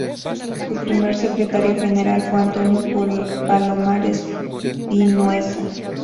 Su primer secretario general fue Antonio Palomares Vinuesa.